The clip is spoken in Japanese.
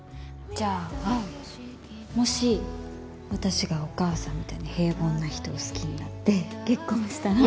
じゃあもし私がお母さんみたいに平凡な人を好きになって結婚したら。